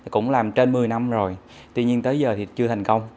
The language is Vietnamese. cũng làm trên một mươi năm rồi tuy nhiên tới giờ thì chưa thành công